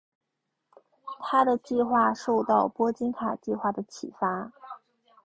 他的计划受到波金卡计划的启发。